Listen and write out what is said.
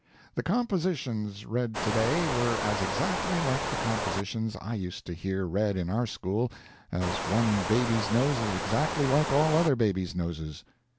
The "compositions" read to day were as exactly like the compositions I used to hear read in our school as one baby's nose is exactly like all other babies' noses.